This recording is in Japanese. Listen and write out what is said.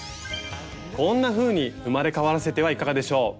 こんなふうに生まれ変わらせてはいかがでしょう？